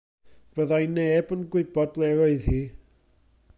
Fyddai neb yn gwybod ble roedd hi.